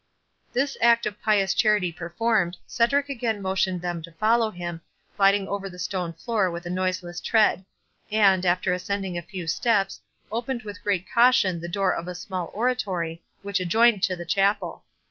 This act of pious charity performed, Cedric again motioned them to follow him, gliding over the stone floor with a noiseless tread; and, after ascending a few steps, opened with great caution the door of a small oratory, which adjoined to the chapel.